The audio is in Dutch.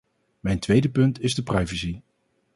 Mijn tweede punt is de privacy.